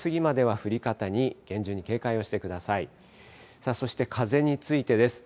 そして風についてです。